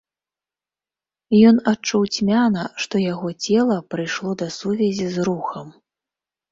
Ён адчуў цьмяна, што яго цела прыйшло да сувязі з рухам.